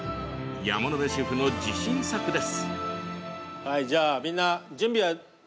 山野辺シェフの自信作です。